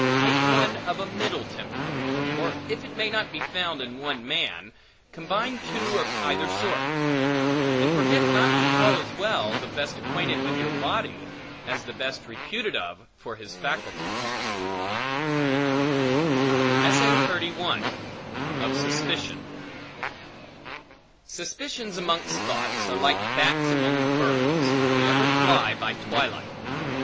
Take one of a middle temper; or if it may not be found in one man, combine two of either sort; and forget not to call as well, the best acquainted with your body, as the best reputed of for his faculty. Of Suspicion SUSPICIONS amongst thoughts, are like bats amongst birds, they ever fly by twilight.